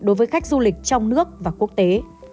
đối với khách du lịch trong nước và quốc tế